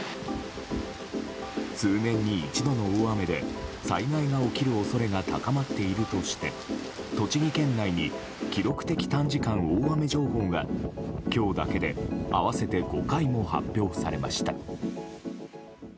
数年に一度の大雨で災害が起きる恐れが高まっているとして栃木県内に記録的短時間大雨情報が今日だけで合わせて５回も発表されました。